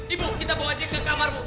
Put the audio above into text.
ibu kita bawa dia ke kamar bu